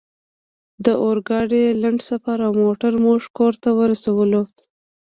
د اورګاډي لنډ سفر او موټر موږ کور ته ورسولو